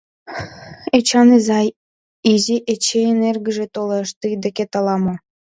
Эчан изай, Изи Эчейын эргыже толеш, тый декет ала-мо.